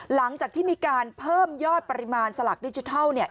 หลังจากที่มีการเพิ่มยอดปริมาณสลักดิจิทัลเนี่ย